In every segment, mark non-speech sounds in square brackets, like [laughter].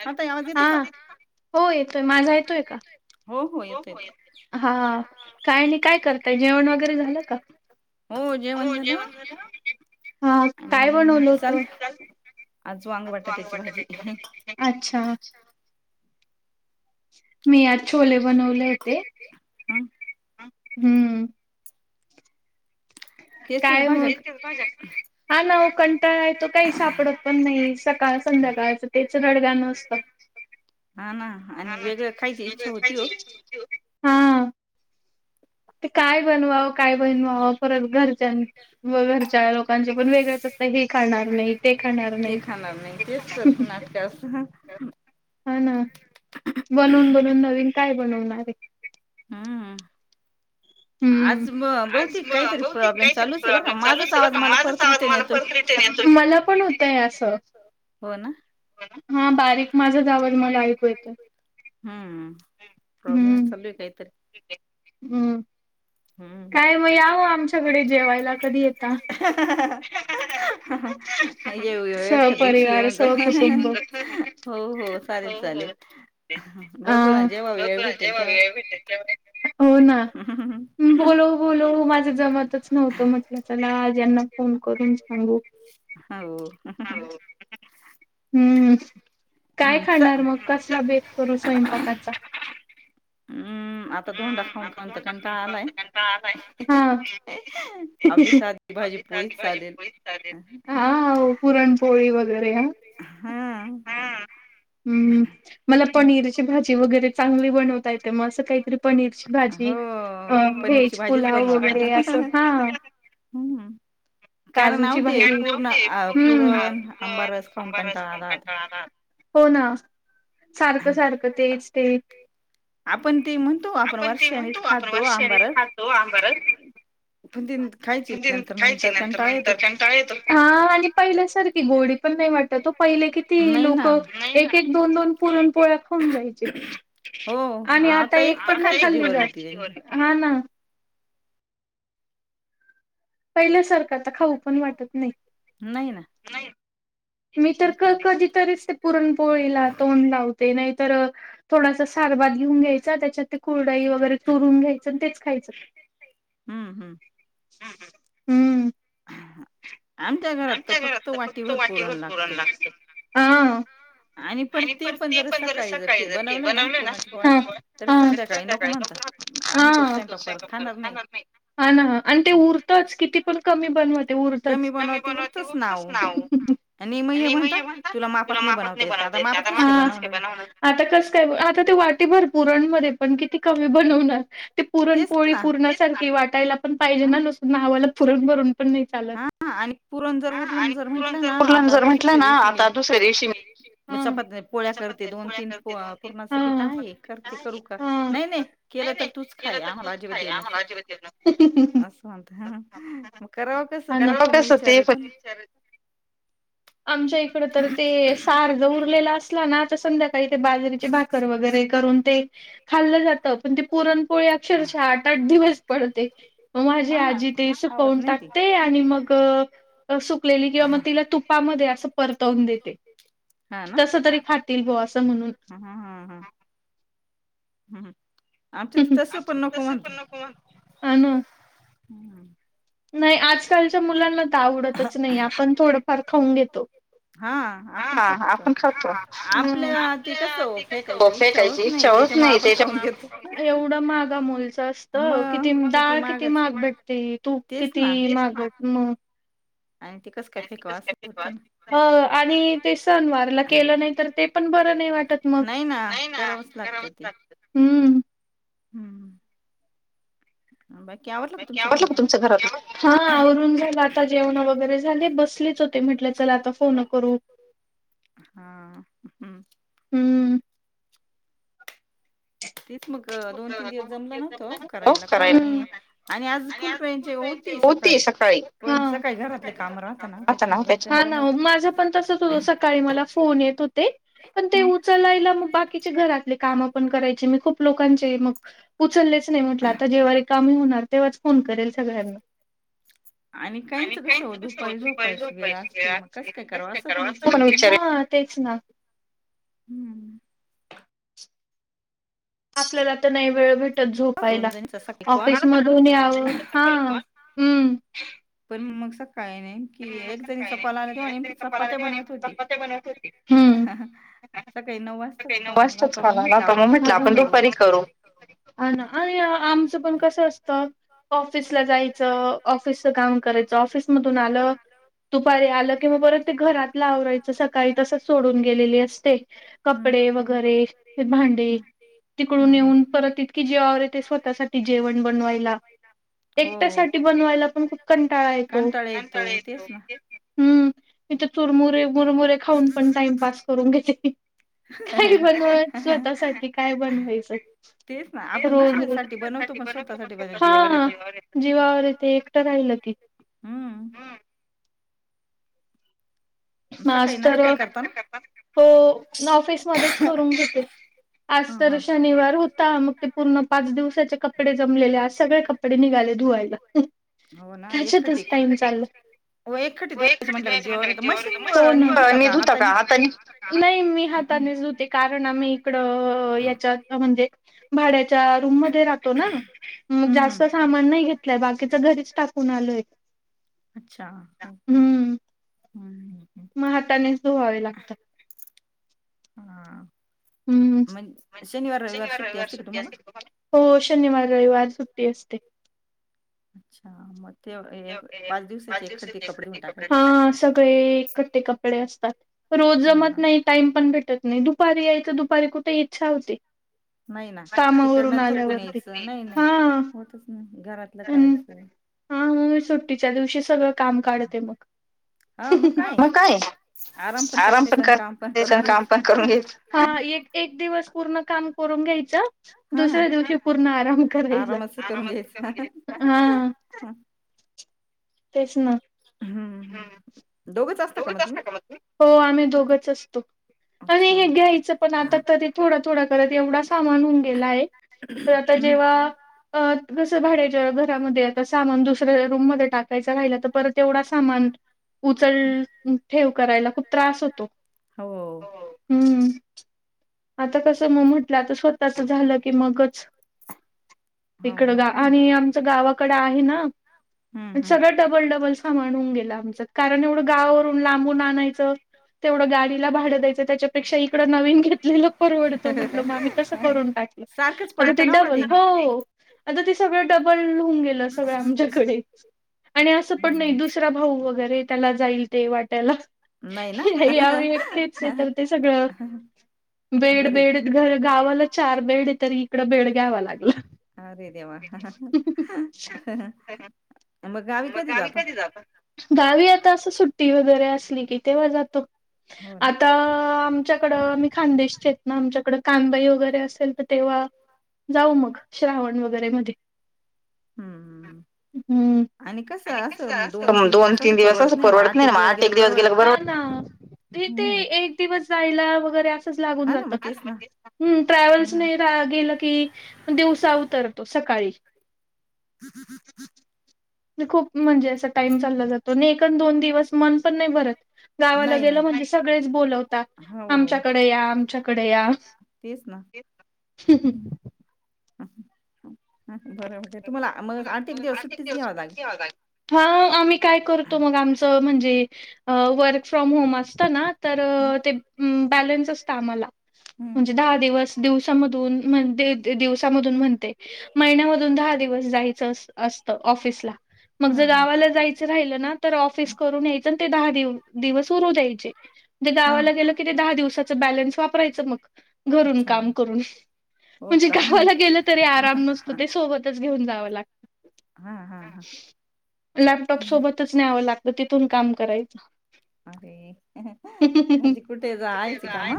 Hello हाआवाज येतोय का? हो येतोय माझा येतोय का? हो हो येतय काय आणि काय करताय जेवण वगैरे झालं का? हो जेवण झाल, मग काय बनवल होत? मिसळ आज वांग, बटाट्याची भाजी अच्छा मी आज छोले बनवले होेते. हम्म. काय मग तेच तेच भाज्या हा ना हो कंटाळा येतो काही सापडत पण नाही, सकाळ संध्याकाळच तेच रडगान असत. हा ना दोन दिवस [unintelligible] सुट्टी होती हा ते काय बनवावं काय बनवावं परत घरच्यां व घरच्या लोकांच पण वेगळेच असत. हे खाणार नाही ते खाणार नाही. हा ना बनून बनून नवीन काय बनवणार ये. हम्म आज म बहुतेक काहीतरी प्रॉब्लेम चालू असेल बर का माझाच आवाज मला परत रिटन ये मला पण होतंय असं. हो ना. हा बारीक माझच आवाज मला ऐकू येतोय. हूं प्रॉब्लेमच चालू ये कायतरी हम्म काय म याओ आमच्याकडे जेवायला कधी येता. येऊ येऊ एखाद्य दिवशी येऊन जाऊ हो हो चालेल चालेल. चालेल, बघू ना जेव्हा वेळ भेटेल तेव्हा [inaudible] बोलो बोलो माझं जमतच नव्हतं म्हटलं चला आज यांना फोन हा ओ हम्म हम्म काय खाणार मग कसला बेत करू स्वयंपाकाचा. आता धोंडा खाऊन खाऊन त कंटाळा आलाय. आपली साधी भाजी आपली साधी भाजी पोळी चालेल, हा हो पुरणपोळी वगैरे ह. हा हूं हूं मला पनीरची भाजी वगैरे चांगली बनवता येत म असं काय पनीरची भाजी, अं व्हेज पुलाव वगैरे अस हा हूं अं काजूची भाजी कारण नव्हतेचं पुरण आंबा रस खाऊन कंटाळा आला. हो ना सारखं सारखं तेच ते आपण ते म्हणतो आपण वर्षानीच खातो आंबारस पण ते खायची नंतर नंतर कंटाळा येतो. हा आणि पहिल्या सार ती गोडी पण नाय वाटत वो पहिले किती लोक एक एक दोन दोन पुरण पोळ्या खाऊन जायचे. हो आता एक पण नाही खाल्ली एक पण खायची जीवावर येते हा ना पहिल्यासारखं आता खाऊ पण वाटत नाई नाई. मी तर क कधीतरीच ते पुरणपोळीला तोंड लाव ते नाहीतर थोडासा सारभात घेऊन घ्यायचा त्याच्यात कुरडई वगैरे चुरून घ्यायचं आणि तेच खायचं हुं हू हुं आमच्या घरात तर फक्त वाटीभर पुरण लागते. ह आणि परत ते पण जर सकाळी जर बनवलं ना पुरण तर संध्याकाळी नको हा हा ना आणि ते उरतच किती पण कमी बनवा ते उरतच कमी बनवा ते उरतच ना आणि मग हे म्हणतात तुला माप ते बनवते जादा कस काय बनवणार आता कस काय आता ते वाटीभर पुरणमध्ये किती कमी बनणार ते पुरणपोळी पूरणासारखी वाटायला पण पाहिजे ना नुसतं नावाला पुरण भरून पण नाही हा आणि पुरण जर उरलंन जर म्हटलं ना आता दुसऱ्या दिवशी मी दुसऱ्या दिवशी मग चपाती नाही पोळ्या करते दोन- तीन प पूरणाच पीठ आहे करते करू का नाही नाही उरल तर तूच खाय आम्हाला अजिबात देऊ नको असं म्हणते मग करावं कसं? हा न म कसं हो ते पण विचार आमच्या इकडं तर ते सार ज उरलेला असला ना आता संध्याकाळी का ते बाजारीचे भाकर वगैरे करून ते खाल्लं जातं पण ती पुरणपोळी अक्षरशः आठ-आठ दिवस पडते म माझी आजी ते सुकवून टाकते. मग सुकलेली किंवा तिला तूप पामध्ये असं परतवून देते तस तरी खातील बुवा असं म्हणून हा हा हू हू आमच्यात तसं पण नको म्हणतात. अन् नाही आजकालच्या मुलांना तर आवडतच नाही आपण थोडंफार खाऊन घेतो. हा आपण खातो आपल्या ते कस फेकायची इच्छा होत नाही त्याच्या एवढं महागामोलचं असतं किती डाळ किती महाग भेटते. तूप किती महाग हाय तर मग आणि ते सण वारला केलं नाही तर ते पण बरं नाही वाट टत मग हा करावच लागतं ते हुं हुं बाकी आवरलं का तुमचं घरातलं? हा आवरून झालं आता जेवण वगैरे झाले बसलेच होते म्हटल चला आता फोन करू. हुं हम्म तिच मग दोन तीन दिवस जमलं नव्हतो वो करायला कॉल आणि आणि आज फुल रेंज वो तीस होती सकाळी मग काय अचानक हा ना माझं पण तसंच होतं सकाळी सकाळी मला फोन येत होते, पण ते उचलायला मग बाकीचे घरातले काम पण करायची मी खूप लोकांचे मग उचलेच नाही म्हटलं आता जेव्हा रिकामं होणार तेव्हाच फोन करेल सगळ्यांना. आणि काहींच कसं ओ दुपारी झोपायची वेळ असते मग कसं काय करावं असं पण विचार येतो ना. हा तेच ना. हम्म आपल्याला तर नाही वेळ भेट ते झोपायला, ऑफिस मधून यावं हा हम्म मग सक् काही नाही नेमकी एक जणीचा काॅल आला तेव्हा नेमकी चपात्या बनवत होती. सकाळी नऊ वाजताच कॉल आला होता मग म्हटलं आपण दुपारी करू. ह ना आणि आमचं पण कसं असतं, ऑफिसला जायचं, ऑफिसच काम करायचं, ऑफिसमधून आलं दुपारी आलं किंवा परत ते घरातल आवरायचं सकाळी तसंच सोडून गेलेली असते कपडे वगैरे ती भांडी, तिकडून येऊन परत इतकी जीवावर येते स्वतःसाठी जेवण ब जेवण बनवायला एकट्यासाठी बनवायला पण खूप कंटाळा येतो. कंटाळा येतो तेच ना हम्म मी तर तुरमुरे मुरमुरे खाऊन पण टाइमपास करून घेते. काय बनवाय स्वतःसाठी काय बनवायचं. रोज रोज हा जीवावर येतेे एकटं राहिलं हम् सकाळी नाश्ता करता ना? हो नाॅफीस मध्येच करून घेते. आज तर शनिवार होता मग ते पूर्ण कपडे जमलेले सगळे कपडे निघाले धुवायला. त्याच्यातच टाईम चालाय. नाही मी हातानेच धुते कारण आम्ही इकडं याच्यात म्हणजे भाड्याच्या रूम मध्ये राहतो ना, मग जास्त सामान नाही घेतलं बाकीच घरीच टाकून आलोय. अच्छा हो का हम्म. मग हातानेच धुवावे लागतात. हा हम्म, शनिवार रविवार सुट्टी असते काय तुम्हाला? हो शनिवार, रविवार सुट्टी असते. अच्छा मग हा सगळे एकठ्ठे कपडे असतात. रोज जमत नाही टाइम पण भेटत नाही, दुपारी यायच तर दुपारी कुठे इच्छा होते. कामावरुन आल्यावरती हा हम्म. हा मग मी सुट्टीच्या दिवशी सगळं काम काढते मग. मग काय? आराम पण काम पण करून घेत, हा एक दिवस पूर्ण काम करून घ्यायच, दुसऱ्या दिवशी पूर्ण आराम करायला हा. तेच ना हम्म दोघेच असता का मग तुम्ही? घेच असतो. आणि हे घ्यायचं पण आता तरी थोडं थोडं करत एवढा सामान होऊन गेलाय तर आता जेव्हा अ कस भाड्याच्या घरामध्ये आता सामान दुसऱ्या रूम मध्ये टाक कायचा राहिला तर परत एवढा सामान उचंल ठेव करायला खूप त्रास होतो. हम्म. आता कसं मग म्हटलं आता स्वतःच झालं की मग. च तिकडं गा आणि आमच गावाकडे आहे ना. सगळं डबल डबल सांमाणून गेलं आमच्यात. कारण एवढं गावावरून लांबून आणायचं तेवढं गाडीला भाडं द्यायचं त्याच्यापेक्षा इकडं नवीन घेतलेलं परवडतं म्हटलं मग आम्ही तसं करून टा. को तड डबल फोर. आता तेी सगळं डबल होऊन गेलं सगळं आमच्याक. डे आणि असं पण नाही दुसरा भाऊ वगैरे त्याला जाईल ते वाटायला. नाही आम्ही एक तेच तर ते सगळं. बेड बेड घर गावाला चार बेड तरी इकडं बेड घ्यावा लागलं. अरे देवा! मग गावी कधी जात गावी आता असं सुट्टी वगैरे असली की तेव्हा जातो. आता आमच्याकडं मी खानदेश. आमच्याकड कानबाई वगैरे असेल तर तेव्हा. जाऊ मग श्रावण वगैरे मध्ये हम्म. आणि कसं अस दोन तीन दिवस असं परवडत नाही मग आठ एक दिवस गेला बरबत. त ते एक दिवस जायला. बर हे असंच लागून जात हं ट्रॅव्हल्स गेलो कि मग दिवसा उतरतो सकाळी. [unintelligible] खूप म्हणजे असा टाइम चालला जातो आणि एकण दोन दिवस मन पण नाही भरत. गावाला गेलं म्हणजे सगळेच बोलवताात आमच्याकडे या. कडे याहं. हम् ह हम्. हा आम्ही काय करतो मग आमच म्हणजे. ववर्क फ्रॉम होम असत ना तर ते ब्स असत आम्हाला. म्हणजे दहा दिवस दिवसाम दिवसामध म्हणते महि. अजून दहा दिवस जायचं असत ऑफिसला. मग जर गावाला जायचं राहिलं ना तर ऑफिस करून यायचं. ते दहा दि दिवस उरू द्यायचे म्ह गावाला गेलं की ते दहा दिवसाच बॅलन्स वापरायचं मग. घरून काम करून म्हणजे गावाला गेलं तरी आराम नसतो. त घेऊन जा ला लटॉप सोबतच न ला. तिथून काम करायचं. अरे म्हणजे कुठे आहेयच का म.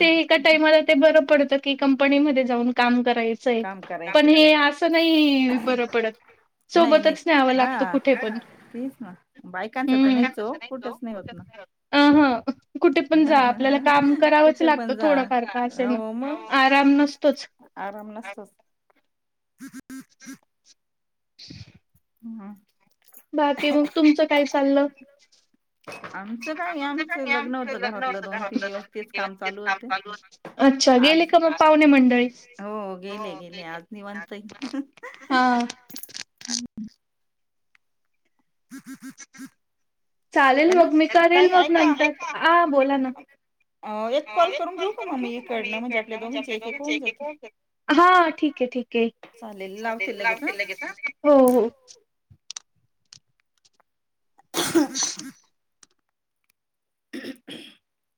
ते एका टाईमाला ते बरं पडतं की कंपनीमध्ये जाऊन काम करायचंय. पण हे असं नाही बरं पडत. सोबतच न्यावां लागतं कुठे पण. तीच ना बायकांचं तर नाहीच हो कुठच नाही होत ना. कुठे पण जा आपल्याला काम करावंच लागतं थोडफार का असेन आराम नसतोच. आराम नसतच. [inaudible] [unintelligible] हम्. बाकी मग तुमचं काय चाललं. आमचं का नाही आमचं लग्न होतं का दो दिवस काम चालू. अच्छा गेले का मग पावणे मंडळी. हो गेले गेले आज नि म्हणतय. हा. [unintelligible] चालेल मग मी करेल मग नंतर ह बोला ना. एक कॉल करून ठेवु का मग मी इकडं म्हणजे आपले दोघांचे एक एक होऊन जाते हां ठिक आहे. ठीक ठीक आहे चालेल लावते लगेच [unintelligible] [unintelligible]